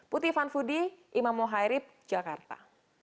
puti fanfudi imam mohairib jakarta